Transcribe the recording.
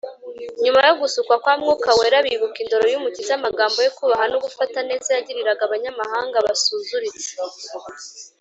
. Nyuma yo gusukwa kwa Mwuka Wera, bibuka indoro y’Umukiza, amagambo ye, kubaha no gufata neza yagiriraga abanyamahanga basuzuritse